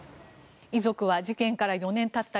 遺族は事件から４年たった